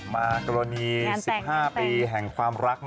มากรณี๑๕ปีแห่งความรัก